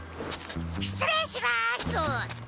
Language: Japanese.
しつれいします！